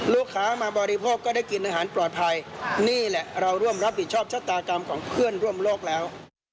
ลูกค้ามาบริโภคก็ได้กินอาหารปลอดภัยนี่แหละเราร่วมรับผิดชอบชะตากรรมของเพื่อนร่วมโลกแล้ว